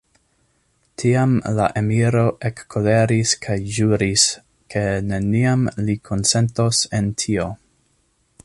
Tiam la emiro ekkoleris kaj ĵuris, ke neniam li konsentos en tio.